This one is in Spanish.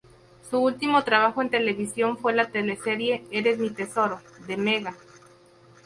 Su último trabajo en televisión fue la teleserie "Eres mi tesoro" de Mega.